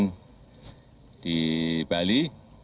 pdi perjuangan di bali